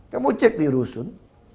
kamu cek di rusun